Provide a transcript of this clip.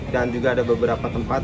dan juga ada beberapa tempat